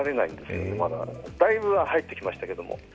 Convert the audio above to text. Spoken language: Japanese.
だいぶ入ってきましたけれども。